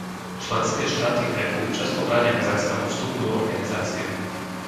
Členské štáty EÚ často bránia Kazachstanu vstupu do organizácie.